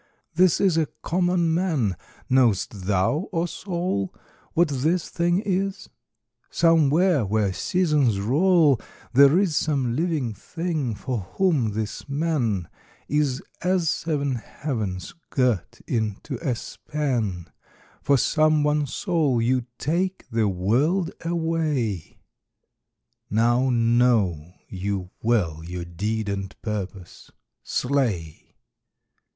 'This is a common man: knowest thou, O soul, What this thing is? somewhere where seasons roll There is some living thing for whom this man Is as seven heavens girt into a span, For some one soul you take the world away Now know you well your deed and purpose. Slay!'